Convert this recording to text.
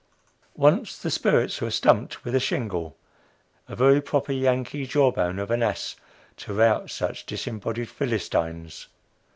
Once the "spirits" were "stumped" with a shingle a very proper yankee jaw bone of an ass to route such disembodied Philistines.